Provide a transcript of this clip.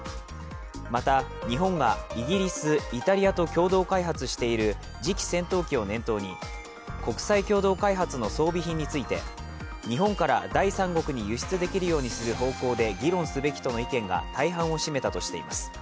また日本がイギリス、イタリアと共同開発している次期戦闘機を念頭に、国際共同開発している装備品について日本から第三国に輸出できるようにする方向で議論すべきとの意見が大半を占めたとしています。